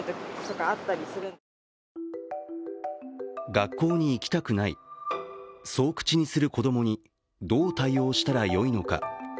学校に行きたくない、そう口にする子供にどう対応したらよいのか。